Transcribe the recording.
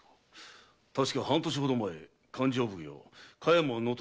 たしか半年ほど前「勘定奉行・香山能登